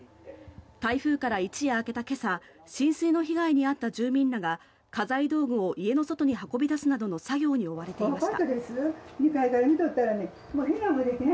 台風から一夜明けた今朝浸水の被害に遭った住民らが家財道具を家の外に運び出すなどの作業に追われていました。